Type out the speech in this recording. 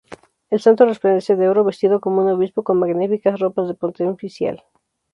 El santo resplandece de oro, vestido como un obispo, con magníficas ropas de pontifical.